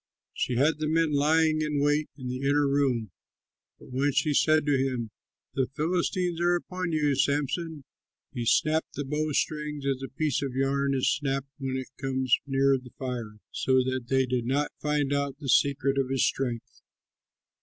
She had the men lying in wait in the inner room, but when she said to him, "The Philistines are upon you, Samson!" he snapped the bowstrings as a piece of yarn is snapped when it comes near the fire; so they did not find out the secret of his strength.